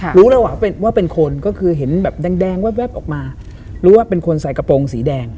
รู้แล้วว่าเป็นคนก็คือเห็นแบบแดงแว๊บออกมารู้ว่าเป็นคนใส่กระโปรงสีแดง